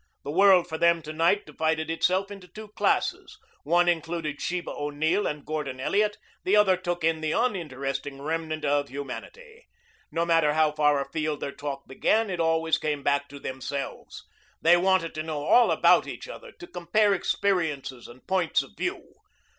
The world for them to night divided itself into two classes. One included Sheba O'Neill and Gordon Elliot; the other took in the uninteresting remnant of humanity. No matter how far afield their talk began, it always came back to themselves. They wanted to know all about each other, to compare experiences and points of view.